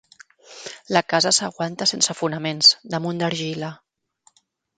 La casa s'aguanta sense fonaments, damunt d'argila.